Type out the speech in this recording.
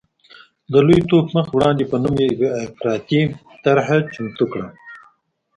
د لوی ټوپ مخ په وړاندې په نوم یې افراطي طرحه چمتو کړه.